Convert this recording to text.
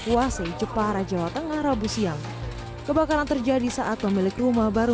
di kawasan pondok pinang di jawa tengah rabu siang kebakaran terjadi saat pemilik rumah baru